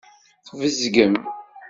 Tbezgem.